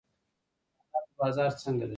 د اعلاناتو بازار څنګه دی؟